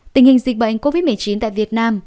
tình hình dịch bệnh covid một mươi chín tại việt nam